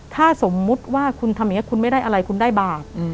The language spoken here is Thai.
ถ้าสมมุติว่าคุณทำอย่างนี้คุณไม่ได้อะไรคุณได้บาป